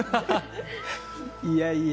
いやいや。